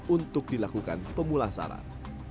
untuk dilakukan pemulasaran